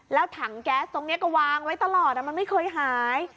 แล้วถังแก๊สตรงนี้ก็วางไว้ตลอดมันไม่เคยหาย